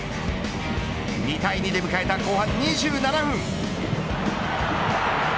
２対２で迎えた後半２７分。